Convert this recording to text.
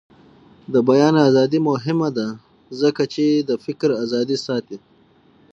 د بیان ازادي مهمه ده ځکه چې د فکر ازادي ساتي.